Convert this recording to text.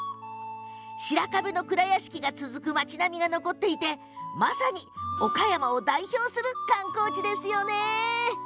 白壁の蔵屋敷が続く町並みが残っていてまさに、岡山を代表する観光地ですよね。